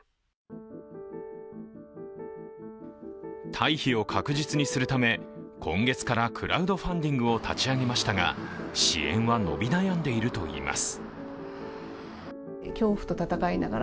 退避を確実にするため今月からクラウドファンディングを立ち上げましたが支援は伸び悩んでいるといいます。